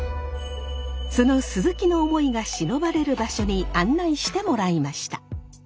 その鈴木の思いがしのばれる場所に案内してもらいました。